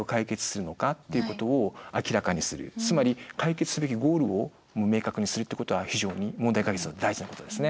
つまり解決すべきゴールを明確にするってことは非常に問題解決の大事なことですね。